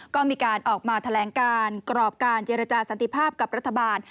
ก็มีการออกมาแถลงการกรอบการเจรจาสันติภาพกับรัฐบาล